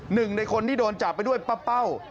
หนึ่งในคนที่โดนจับไปด้วยป้าเป้า